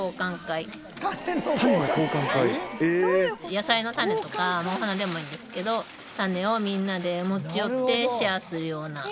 野菜の種とかお花でもいいんですけど種をみんなで持ち寄ってシェアするような会になります。